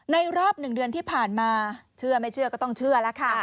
รอบ๑เดือนที่ผ่านมาเชื่อไม่เชื่อก็ต้องเชื่อแล้วค่ะ